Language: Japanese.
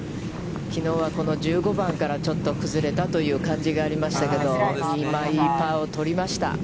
きのうは、この１５番からちょっと崩れたという感じがありましたけどいいパーを取りました。